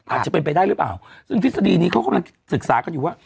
อาจจะเป็นไปได้หรือเปล่าซึ่งทฤษฎีนี้เขากำลังศึกษากันอยู่ว่า